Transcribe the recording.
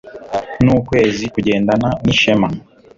n'ukwezi kugendana ishema